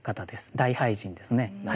大俳人ですね。